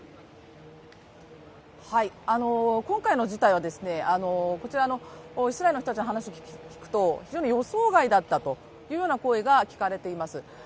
今回の事態はこちら、イスラエルの人たちの話を聞くと、非常に予想外だったというような声が聞かれています。